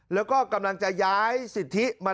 แล้วก็กำลังจะย้ายสิทธิมา